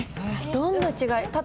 どんな違い？